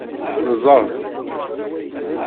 Neẓẓel.